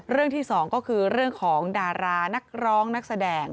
ที่สองก็คือเรื่องของดารานักร้องนักแสดง